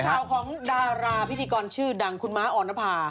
ข่าวของดาราพิธีกรชื่อดังคุณม้าออนภา